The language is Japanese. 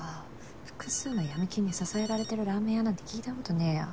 複数の闇金に支えられてるラーメン屋なんて聞いたことねぇよ。